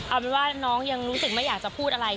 เอาเป็นว่าน้องยังรู้สึกไม่อยากจะพูดอะไร